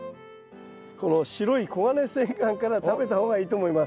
この白いコガネセンガンから食べた方がいいと思います。